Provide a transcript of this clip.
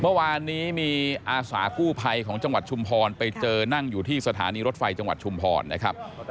เมื่อวานนี้มีอาสากู้ภัยของจังหวัดชุมพรไปเจอนั่งอยู่ที่สถานีรถไฟจังหวัดชุมพรนะครับ